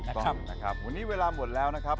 ต้องนะครับวันนี้เวลาหมดแล้วนะครับ